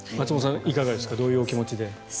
いかがですかどういうお気持ちで？